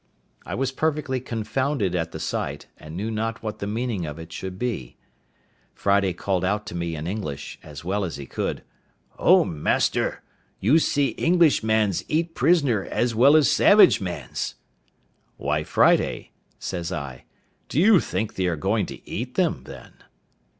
I was perfectly confounded at the sight, and knew not what the meaning of it should be. Friday called out to me in English, as well as he could, "O master! you see English mans eat prisoner as well as savage mans." "Why, Friday," says I, "do you think they are going to eat them, then?"